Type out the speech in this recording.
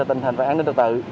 tình hình về an ninh tự tự